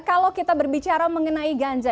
kalau kita berbicara mengenai ganja